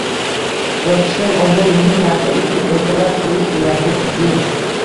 Yotishdan oldin muhim narsa uchun ertalab turish niyati kuchli